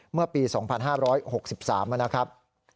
เมื่อปี๒๕๖๓นะครับ